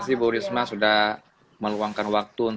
di sini ada beberapa teman yang sudah menunjukkan tentang hal tersebut